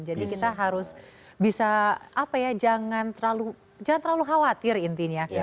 jadi kita harus bisa apa ya jangan terlalu khawatir intinya